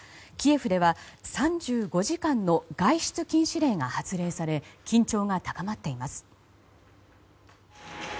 キエフでは３５時間の外出禁止令が発令され緊張が高まっています。